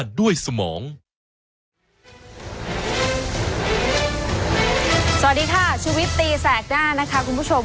สวัสดีค่ะชุวิตตีแสกหน้านะคะคุณผู้ชม